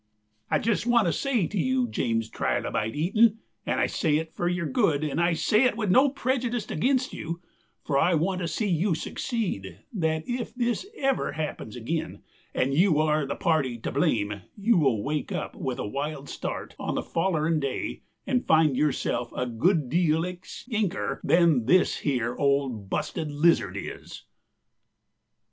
"I just want to say to you, James Trilobite Eton, and I say it for your good and I say it with no prejudice against you, for I want to see you succeed, that if this ever happens agin and you are the party to blame you will wake up with a wild start on the follerin' day and find yourself a good deal extincker than this here old busted lizard is."